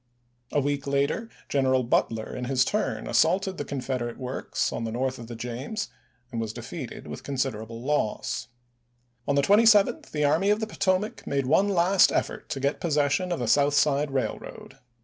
A week later, Gen eral Butler in his turn assaulted the Confederate works on the north of the James and was de feated with considerable loss. On the 27th, the Army of the Potomac made one last effort to get possession of the South Side Rail road.